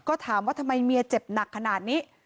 ก็ถามว่าทำไมเมียเจ็บหนักขนาดนี้